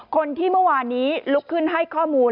คนที่เมื่อวานนี้ลุกขึ้นให้ข้อมูล